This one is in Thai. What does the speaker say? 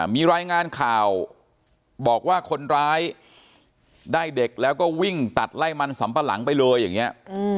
มีรายงานข่าวบอกว่าคนร้ายได้เด็กแล้วก็วิ่งตัดไล่มันสำปะหลังไปเลยอย่างนี้